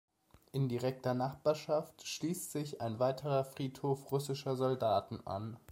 In direkter Nachbarschaft schließt sich ein weiterer Friedhof russischer Soldaten an.